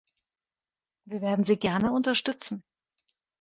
Wir werden sie gerne unterstützen.